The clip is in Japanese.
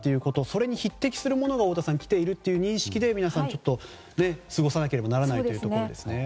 それに匹敵するものが太田さん、来ているという認識で皆さん、過ごさなければならないというところですね。